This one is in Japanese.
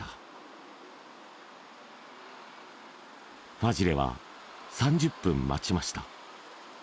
ファジレは３０分待ちました